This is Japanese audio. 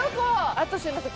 あとすいません